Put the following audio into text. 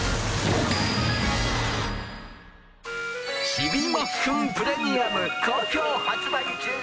「ちびもっふんプレミアム好評発売中！」